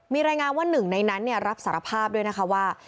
มีรายงานว่า๑ในนั้นรับสารภาพด้วยว่า